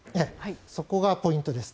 そこがポイントです。